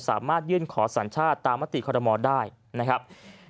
สามารถยื่นขอสัญชาติตามมติคอรมอลได้นะครับ